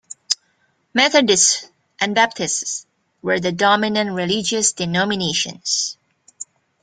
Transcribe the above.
Methodists and Baptists were the dominant religious denominations.